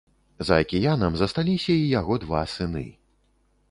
За акіянам засталіся і яго два сыны.